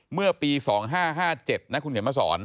เมื่อปี๒๕๕๗นะคุณเขียนมาสอน